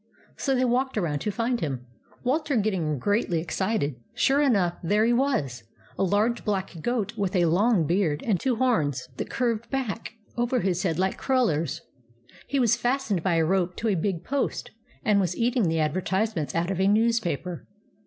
So they walked around to find him, Wal ter getting greatly excited. Sure enough, there he was, — a large black goat with a long beard and two horns that curved back WALTER AND THE GOAT 81 over his head like crullers. He was fas tened by a rope to a big post, and was eat ing the advertisements out of a newspaper.